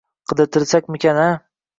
Qidirtirsakmikin-a